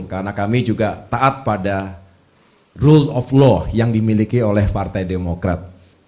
karena kami juga taat pada rules of law yang dimiliki oleh partai demokrat